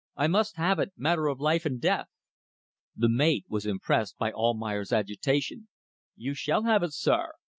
I must have it. Matter of life and death." The mate was impressed by Almayer's agitation "You shall have it, sir.